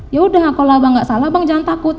ya udah kalau abang gak salah abang jangan takut